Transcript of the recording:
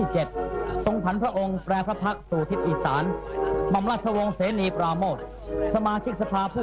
จากนั้นเวลา๑๑นาฬิกาเศรษฐ์พระธินั่งไพรศาลพักศิลป์